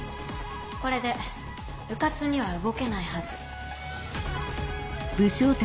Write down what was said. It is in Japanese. これで迂闊には動けないはず。